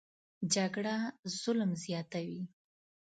جګړه ظلم زیاتوي